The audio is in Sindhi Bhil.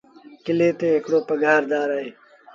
ڪلي تي هڪڙو پگھآر دآر اهي۔